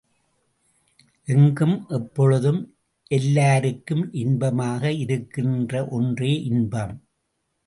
எங்கும் எப்பொழுதும் எல்லாருக்கும் இன்பமாக இருக்கின்ற ஒன்றே இன்பம்.